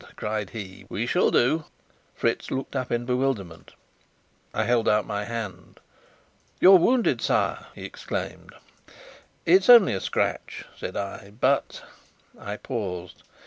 cried he. "We shall do!" Fritz looked up in bewilderment. I held out my hand. "You're wounded, sire!" he exclaimed. "It's only a scratch," said I, "but " I paused.